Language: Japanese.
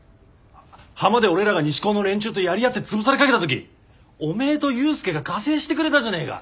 浜で俺らが西高の連中とやり合って潰されかけた時おめえと勇介が加勢してくれたじゃねえか。